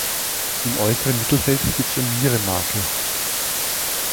Im äußeren Mittelfeld sitzt ein Nierenmakel.